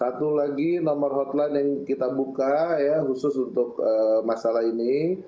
satu lagi nomor hotline yang kita buka ya khusus untuk masalah ini